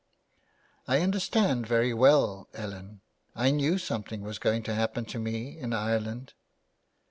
" I understand very well, Ellen ; I knew something was going to happen to me in Ireland."